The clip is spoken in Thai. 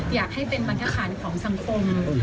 อย่างให้เป็นบันทักขาวของสังคม